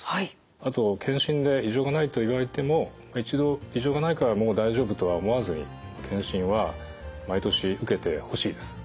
あと検診で異常がないと言われても一度異常がないからもう大丈夫とは思わずに検診は毎年受けてほしいです。